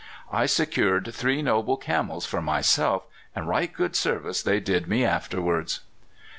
"I secured three noble camels for myself, and right good service they did me afterwards."